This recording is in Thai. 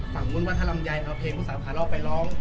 สมมุติว่าถ้าลำยายเพลงผู้สาวขาลอบไปร้อง